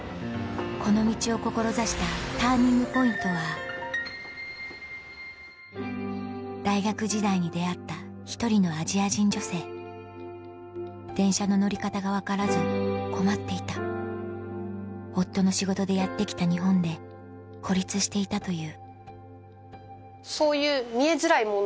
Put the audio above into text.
この道を志したＴＵＲＮＩＮＧＰＯＩＮＴは大学時代に出会った１人のアジア人女性電車の乗り方が分からず困っていた夫の仕事でやって来た日本で孤立していたというそういう。